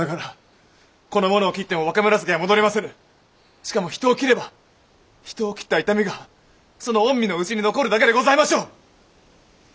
しかも人を斬れば人を斬った痛みがその御身の内に残るだけでございましょう！